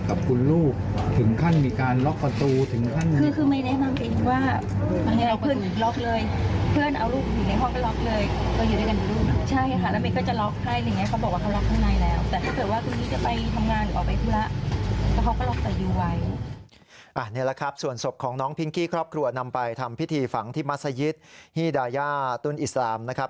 อันนี้ละครับส่วนศพของน้องพิงกี้ครอบครัวนำไปแล้วนะครับ